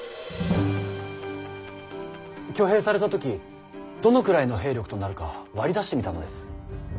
挙兵された時どのくらいの兵力となるか割り出してみたのです。